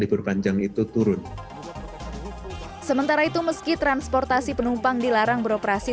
libur panjang itu turun sementara itu meski transportasi penumpang dilarang beroperasi